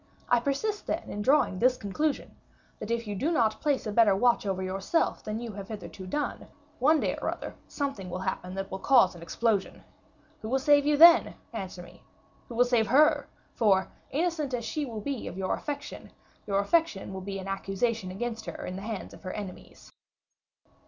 I persist, then, in drawing this conclusion; that if you do not place a better watch over yourself than you have hitherto done, one day or other something will happen that will cause an explosion. Who will save you then? Answer me. Who will save her? for, innocent as she will be of your affection, your affection will be an accusation against her in the hands of her enemies."